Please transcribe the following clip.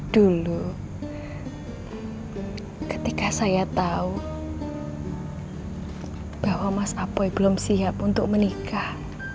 dulu ketika saya tahu bahwa mas apoy belum siap untuk menikah